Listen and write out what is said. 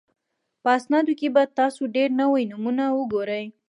په اسنادو کې به تاسو ډېر نوي نومونه وګورئ